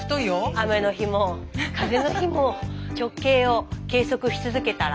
雨の日も風の日も直径を計測し続けたら。